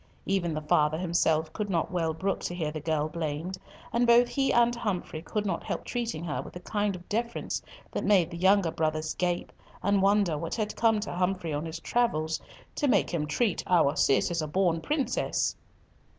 Even the father himself could not well brook to hear the girl blamed, and both he and Humfrey could not help treating her with a kind of deference that made the younger brothers gape and wonder what had come to Humfrey on his travels "to make him treat our Cis as a born princess."